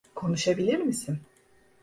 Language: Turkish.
Konuşabilir misin?